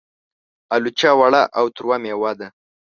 الوچه وړه او تروه مېوه ده.